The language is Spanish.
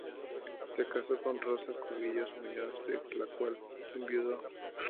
Se casó con Rosa Cubillos Muñoz, de la cual enviudó.